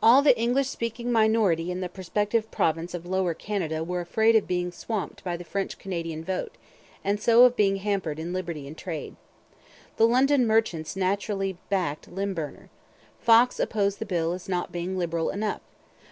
All the English speaking minority in the prospective province of Lower Canada were afraid of being swamped by the French Canadian vote, and so of being hampered in liberty and trade. The London merchants naturally backed Lymburner. Fox opposed the bill as not being liberal enough.